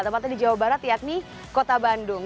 tempatnya di jawa barat yakni kota bandung